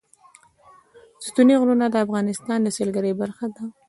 ستوني غرونه د افغانستان د سیلګرۍ برخه ده.